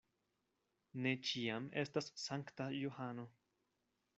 Ne ĉiam estas sankta Johano.